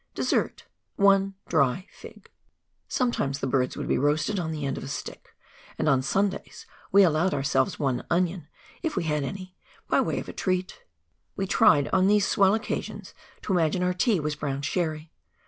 Desseet. One Dry Fig. Sometimes tlie birds would be roasted on tbe end of a stick, and on Sundays we allowed ourselves one onion — i£ we had any — by way of a treat. We tried, on tbese swell occasions, to imagine our tea was brown sherry